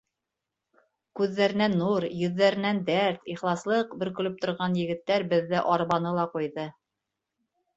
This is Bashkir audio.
Күҙҙәренән нур, йөҙҙәренән дәрт, ихласлыҡ бөркөлөп торған егеттәр беҙҙе арбаны ла ҡуйҙы.